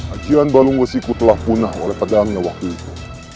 ajian balungwesiku telah punah oleh pedangnya waktu itu